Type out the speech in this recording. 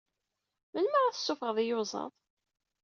Melmi ara tessuffɣeḍ iyuẓaḍ?